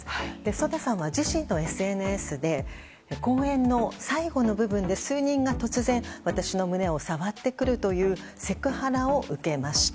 ＳＯＤＡさんは自身のＳＮＳで公演の最後の部分で数人が、突然私の胸を触ってくるというセクハラを受けました。